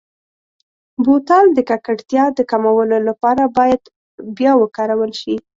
بوتل د ککړتیا د کمولو لپاره باید بیا وکارول شي.